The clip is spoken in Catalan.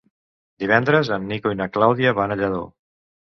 Divendres en Nico i na Clàudia van a Lladó.